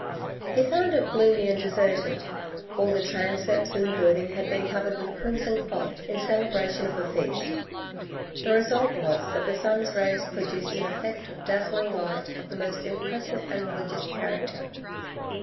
He found it gloomy and deserted. All the transepts in the building had been covered with crimson cloth in celebration of a feast. The result was that the sun's rays produced an effect of dazzling light of the most impressive and religious character.